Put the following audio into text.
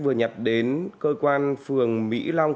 vừa nhập đến cơ quan phường mỹ long